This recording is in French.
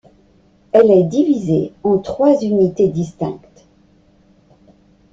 Elle est divisée en trois unités distinctes.